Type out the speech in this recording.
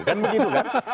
kan begitu kan